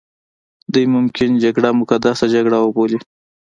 دوی ممکن جګړه مقدسه جګړه وبولي.